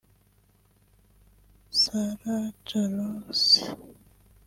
Sarah Jarosz